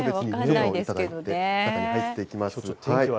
中に入っていきましょう。